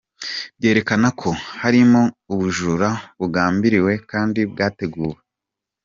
Byerekana ko harimo ubujura bugambiriwe kandi bwateguwe.